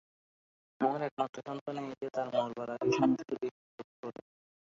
আমার একমাত্র সান্ত্বনা এই যে, তাঁর মরবার আগেই সমস্ত দিয়েছি শোধ করে।